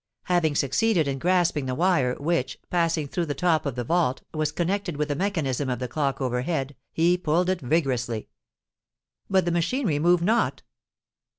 Having succeeded in grasping the wire which, passing through the top of the vault, was connected with the mechanism of the clock overhead, he pulled it vigorously. But the machinery moved not!